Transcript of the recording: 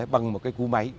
bằng một cái cú máy